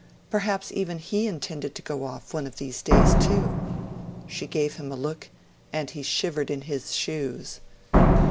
Perhaps even he intended to go off one of these days, too? She gave him a look, and he shivered in his shoes.